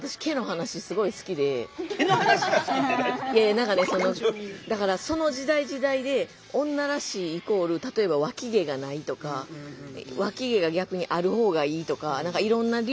何かねだからその時代時代で女らしいイコール例えばわき毛がないとかわき毛が逆にある方がいいとかいろんな流派が出てくるじゃないですか。